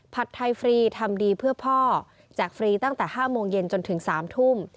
ไทยฟรีทำดีเพื่อพ่อแจกฟรีตั้งแต่๕โมงเย็นจนถึง๓ทุ่ม